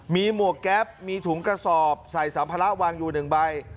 มีหมวกแก๊ปมีถุงกระสอบใส่สัมภาระวางอยู่๑ใบ